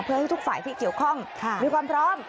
เพื่อให้ทุกฝ่ายที่เกี่ยวข้องมีความพร้อม